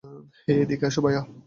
হেই, এদিকে এসো, ভায়া।